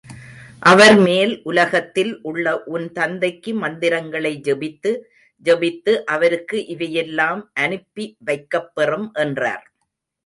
அவர், மேல் உலகத்தில் உள்ள உன் தந்தைக்கு மந்திரங்களை ஜெபித்து—ஜெபித்து அவருக்கு இவையெல்லாம் அனுப்பி வைக்கப்பெறும் என்றார்.